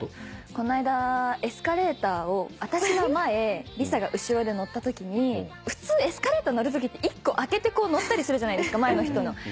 この間エスカレーターを私が前莉沙が後ろで乗ったときに普通エスカレーター乗るときって１個空けて乗ったりするじゃないですか前の人の。